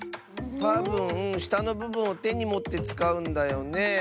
たぶんしたのぶぶんをてにもってつかうんだよね？